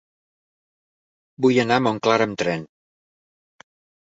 Vull anar a Montclar amb tren.